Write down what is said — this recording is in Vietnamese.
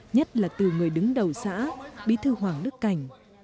nhất là từ người đứng đầu xã bí thư hoàng đức cảnh